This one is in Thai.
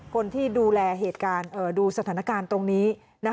คนที่ดูแลเหตุการณ์ดูสถานการณ์ตรงนี้